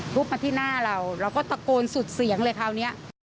มาที่หน้าเราเราก็ตะโกนสุดเสียงเลยคราวนี้